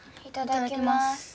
いただきます。